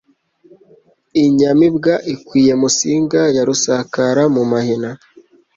Inyamibwa ikwiye Musinga, Ya rusakara mu mahina,